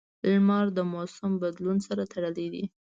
• لمر د موسم بدلون سره تړلی دی.